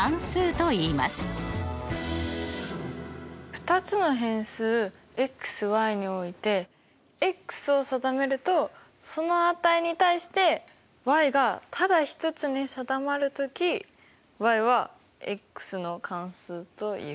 ２つの変数，においてを定めるとその値に対してがただ１つに定まるときはの関数という？